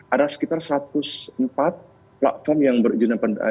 ada sekitar satu ratus empat platform yang berizin dan terdaftar